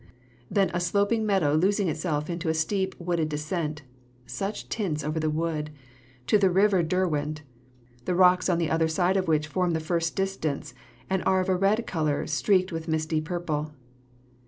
Then a sloping meadow losing itself in a steep wooded descent (such tints over the wood!) to the river Derwent, the rocks on the other side of which form the first distance, and are of a red colour streaked with misty purple.